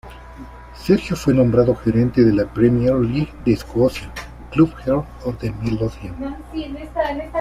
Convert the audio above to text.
Sergio fue nombrado gerente de Premier League de Escocia Club Heart of Midlothian.